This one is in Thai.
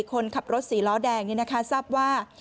คนขับรถสีล้อแดงนี่นะคะทราบว่า